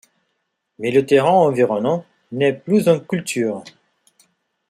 Mais le terrain environnant n'est plus en culture.